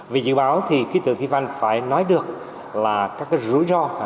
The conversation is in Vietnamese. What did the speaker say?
vì dự báo thì khí tượng thủy văn phải nói được là các rủi ro